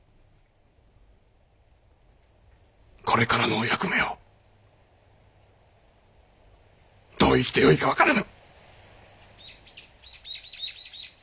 これからのお役目をどう生きてよいか分からぬ。